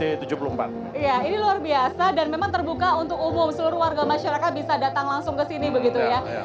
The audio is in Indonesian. iya ini luar biasa dan memang terbuka untuk umum seluruh warga masyarakat bisa datang langsung ke sini begitu ya